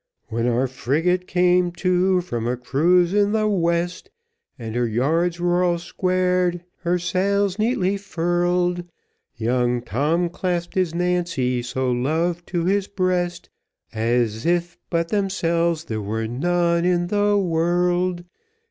When our frigate came to from a cruise in the west, And her yards were all squared, her sails neatly furled, Young Tom clasped his Nancy, so loved, to his breast, As if but themselves there was none in the world.